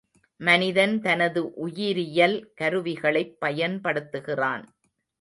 மனிதன் தனது உயிரியல் கருவிகளைப் பயன்படுத்துகிறான்.